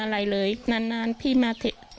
กังฟูเปล่าใหญ่มา